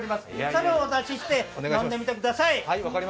それをお出しして、飲んでみてください。